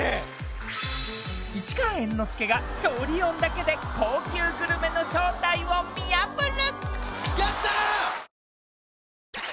市川猿之助が調理音だけで高級グルメの正体を見破る！